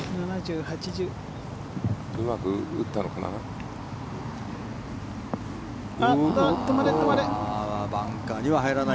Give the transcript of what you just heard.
うまく打ったのかな。